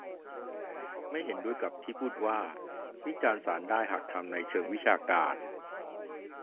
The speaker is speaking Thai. ไม่เห็นด้วยกับที่พูดว่า วิจารณ์ศาลได้หากทำในเชิงวิชาการ